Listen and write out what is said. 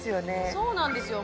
そうなんですよ